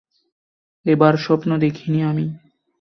এবার স্বপ্ন দেখিনি আমি।